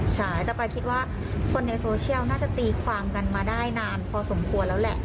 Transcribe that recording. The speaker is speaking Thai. ใช่แต่ปลายคิดว่าคนในโซเชียลน่าจะตีความกันมาได้นานพอสมควรแล้วแหละ